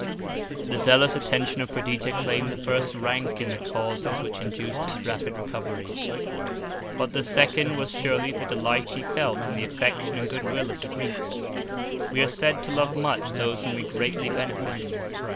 The zealous attention of Perdita claimed the first rank in the causes which induced his rapid recovery; but the second was surely the delight he felt in the affection and good will of the Greeks. We are said to love much those whom we greatly benefit.